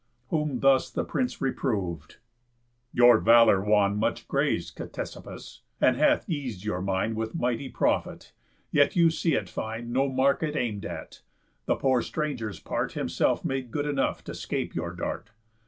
Whom thus the prince reprov'd: "Your valour wan Much grace, Ctesippus, and hath eas'd your mind With mighty profit, yet you see it find No mark it aim'd at; the poor stranger's part Himself made good enough, to 'scape your dart.